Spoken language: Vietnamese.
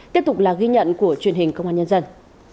tiếp tục là ghi nhận của truyền hình công an nhân dân